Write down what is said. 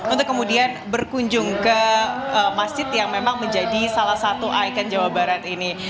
untuk kemudian berkunjung ke masjid yang memang menjadi salah satu ikon jawa barat ini